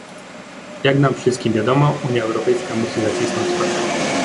Jak nam wszystkim wiadomo, Unia Europejska musi zacisnąć pasa